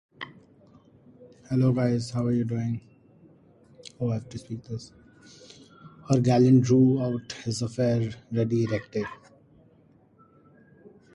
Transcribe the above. Her gallant drew out his affair ready erected.